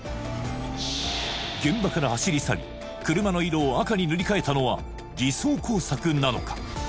現場から走り去り車の色を赤に塗り替えたのは偽装工作なのか？